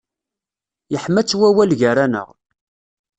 Yeḥma-tt wawal gar-aneɣ.